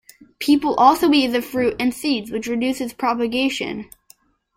People also eat the fruit and seeds, which reduces propagation.